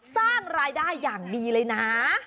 สร้างรายได้อย่างดีเลยนะ